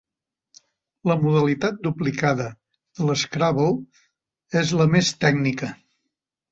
La modalitat duplicada de l'Scrabble és la més tècnica.